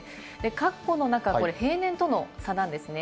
かっこの中これ平年との差なんですね。